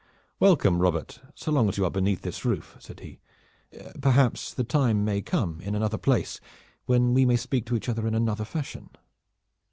"Welcome, Robert, so long as you are beneath this roof," said he. "Perhaps the time may come in another place when we may speak to each other in another fashion."